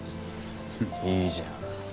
いいじゃん。